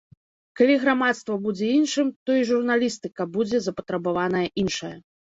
Калі грамадства будзе іншым, то і журналістыка будзе запатрабаваная іншая.